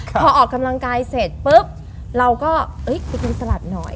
พอออกกำลังกายเสร็จปุ๊บเราก็ไปกินสลัดหน่อย